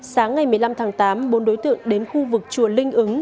sáng ngày một mươi năm tháng tám bốn đối tượng đến khu vực chùa linh ứng